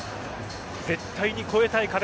絶対に越えたい壁